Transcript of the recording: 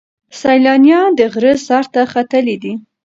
سیلانیان د غره سر ته ختلي دي.